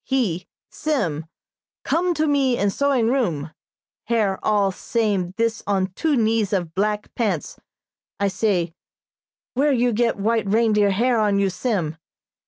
He Sim come to me in sewing room, hair all same this on two knees of blank pants. I say, 'Where you get white reindeer hair on you, Sim?'